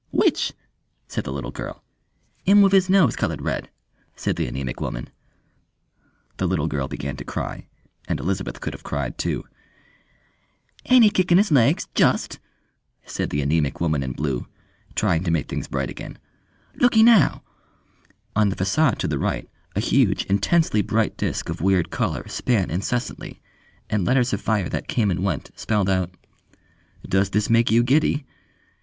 "Which?" said the little girl. "'Im wiv his nose coloured red," said the anæmic woman. The little girl began to cry, and Elizabeth could have cried too. "Ain't 'e kickin' 'is legs! just!" said the anæmic woman in blue, trying to make things bright again. "Looky now!" On the façade to the right a huge intensely bright disc of weird colour span incessantly, and letters of fire that came and went spelt out "DOES THIS MAKE YOU GIDDY?"